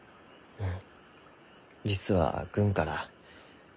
うん。